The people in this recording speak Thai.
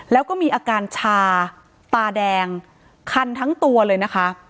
แล้วก็มีอาการชาตาแดงคันทั้งตัวเลยนะคะ